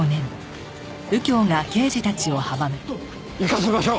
行かせましょう。